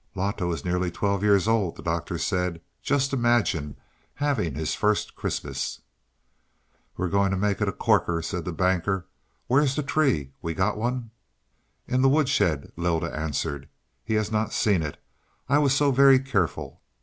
"Loto is nearly twelve years old," the Doctor said. "Just imagine having his first Christmas." "We're going to make it a corker," said the Banker. "Where's the tree? We got one." "In the wood shed," Lylda answered. "He has not seen it; I was so very careful."